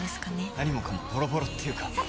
何もかもボロボロっていうか。